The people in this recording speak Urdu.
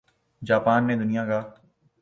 جاپان نے دنیا کا